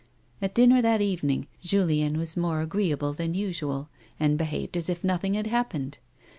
At dinner that evening Julien was more agreeable than usual, and behaved as if nothing had happened.